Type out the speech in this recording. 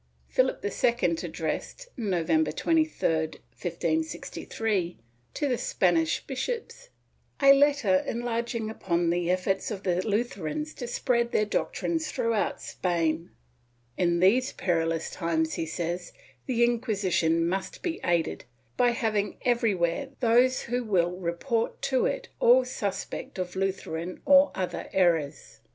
Philip II addressed, Novem ber 23, 1563, to the Spanish bishops, a letter enlarging upon the efforts of the Lutherans to spread their doctrines throughout Spain, In these perilous times, he says, the Inquisition must be aided by having everywhere those who will report to it all suspect of Lutheran or other errors.